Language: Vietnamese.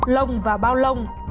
lông và bao lông